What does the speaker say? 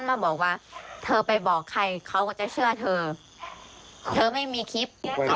ฉันต้องบอกว่าได้ไปบอกใครเค้าจะเชื่อเธอเธอไม่มีคลิป